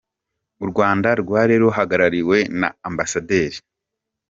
U Rwanda rwari ruhagarariwe na Amb.